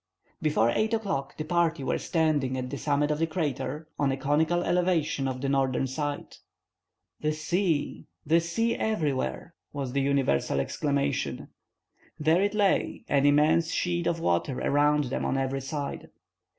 Before 8 o'clock, the party were standing at the summit of the crater, on a conical elevation of the northern side. "The sea! the sea everywhere!" was the universal exclamation. There it lay, an immense sheet of water around them on every side.